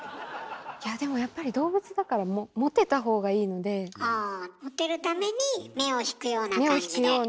いやでもやっぱり動物だからあモテるために目を引くような感じで。